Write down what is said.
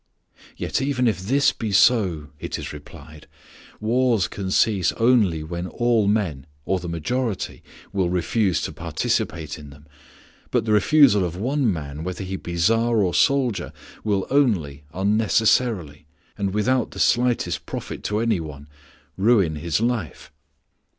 "Yet even if this be so," it is replied, "wars can cease only when all men, or the majority, will refuse to participate in them. But the refusal of one man, whether he be Tsar or soldier, would only, unnecessarily, and without the slightest profit to any one, ruin his life.